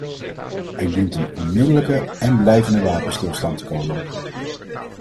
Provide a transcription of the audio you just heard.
Er dient een onmiddellijke en blijvende wapenstilstand te komen.